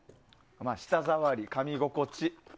舌触り、かみ心地。